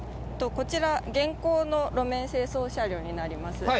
こちら現行の路面清掃車両になります。